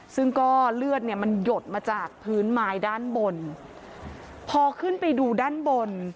ซึ่งก็เลือดเนี่ยมันหยดมาจากพื้นไม้ด้านบนพอขึ้นไปดูด้านบน